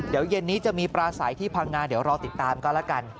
เดี๋ยวเย็นนี้จะมีปลาใสที่พังงาเดี๋ยวรอติดตามก็แล้วกัน